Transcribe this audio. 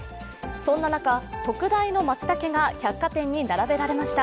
そんな中、特大のまつたけが百貨店に並べられました。